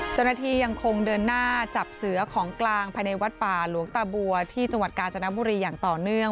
เจ้าหน้าที่ยังคงเดินหน้าจับเสือของกลางภายในวัดป่าหลวงตาบัวที่จังหวัดกาญจนบุรีอย่างต่อเนื่อง